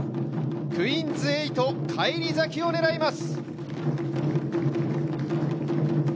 クイーンズ８返り咲きを狙います。